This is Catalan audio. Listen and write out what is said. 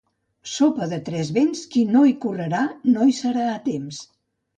Sopa de tres vents: qui no hi correrà, no hi serà a temps.